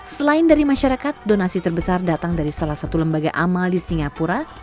selain dari masyarakat donasi terbesar datang dari salah satu lembaga amal di singapura